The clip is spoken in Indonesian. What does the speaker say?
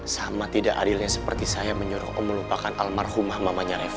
sama tidak adilnya seperti saya menyuruh oh melupakan almarhumah mamanya revo